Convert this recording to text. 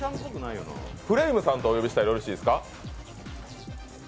フレイムさんとお呼びしたらよろしいですか？